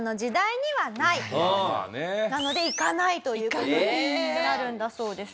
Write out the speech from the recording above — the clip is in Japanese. なので行かないという事になるんだそうです。